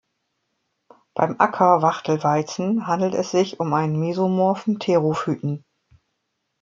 Beim Acker-Wachtelweizen handelt es sich um einen mesomorphen Therophyten.